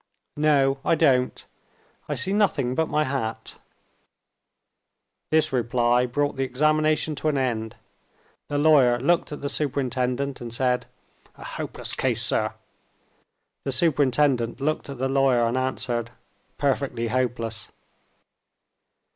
"No, I don't. I see nothing but my hat." This reply brought the examination to an end. The lawyer looked at the superintendent, and said, "A hopeless case, sir." The superintendent looked at the lawyer, and answered, "Perfectly hopeless."